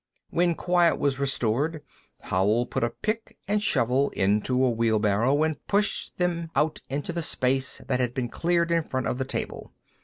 When quiet was restored, Howell put a pick and shovel into a wheelbarrow and pushed them out into the space that had been cleared in front of the table.